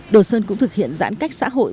đồ sơn cũng thực hiện giãn cách xã hội